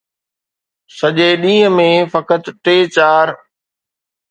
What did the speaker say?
سڄي ڏينهن ۾ فقط ٽي چار.